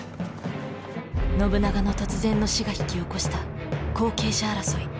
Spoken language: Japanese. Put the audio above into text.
信長の突然の死が引き起こした後継者争い。